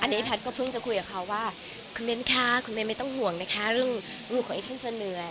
นี่ถึงวันแรกที่เขาได้มีโอกาส